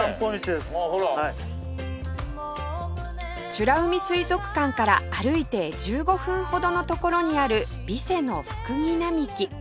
美ら海水族館から歩いて１５分ほどの所にある備瀬のフクギ並木